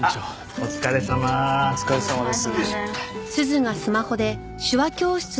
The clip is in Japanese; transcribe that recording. お疲れさまです。